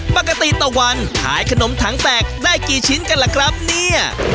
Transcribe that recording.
ตะวันขายขนมถังแตกได้กี่ชิ้นกันล่ะครับเนี่ย